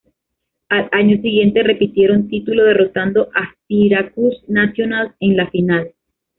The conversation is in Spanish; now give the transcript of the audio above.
Al año siguiente repitieron título derrotando a Syracuse Nationals en la final.